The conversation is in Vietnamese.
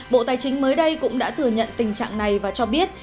bộ tài chính mới đây cũng đã thừa nhận tình trạng này và cho biết